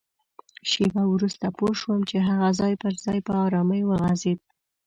شېبه وروسته پوه شوم چي هغه ځای پر ځای په ارامۍ وغځېد.